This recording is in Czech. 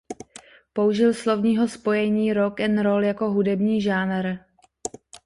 Použil slovního spojení rock and roll jako hudební žánr.